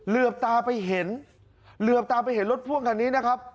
เหลือบตาไปเห็นเหลือบตาไปเห็นรถพ่วงคันนี้นะครับ